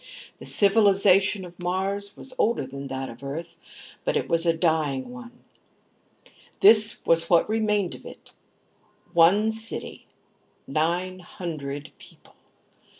The civilization of Mars was older than that of Earth, but it was a dying one. This was what remained of it: one city, nine hundred people.